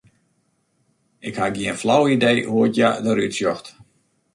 Ik ha gjin flau idee hoe't hja derút sjocht.